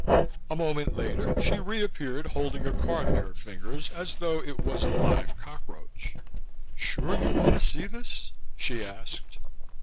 A moment later, she reappeared holding a card in her fingers as though it was a live cockroach. "Sure you want to see this?" she asked.